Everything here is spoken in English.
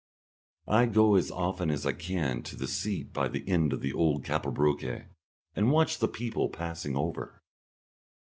I go as often as I can to the seat by the end of old Kapelbrucke, and watch the people passing over.